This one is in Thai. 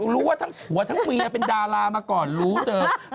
รู้ว่าเมียเป็นดารามาก่อนรู้เถอะ